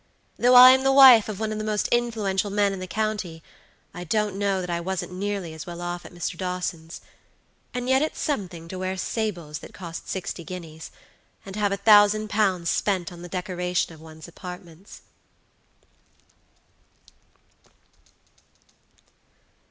Though I am the wife of one of the most influential men in the county, I don't know that I wasn't nearly as well off at Mr. Dawson's; and yet it's something to wear sables that cost sixty guineas, and have a thousand pounds spent on the decoration of one's apartments."